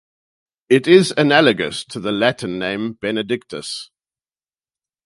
It is analogous to the Latin name Benedictus.